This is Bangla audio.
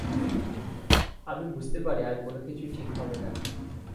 আমি বুঝতে পারি আর কোনো কিছুই ঠিক হবে না।